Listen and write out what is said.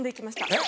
えっ？